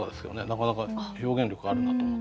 なかなか表現力あるなと思って。